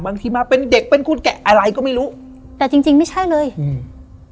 บางทีมาเป็นเด็กเป็นคนแกะอะไรก็ไม่รู้แต่จริงจริงไม่ใช่เลยอืม